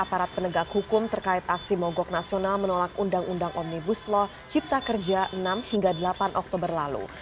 aparat penegak hukum terkait aksi mogok nasional menolak undang undang omnibus law cipta kerja enam hingga delapan oktober lalu